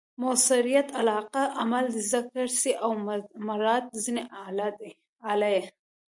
مؤثریت علاقه؛ عمل ذکر سي او مراد ځني آله يي.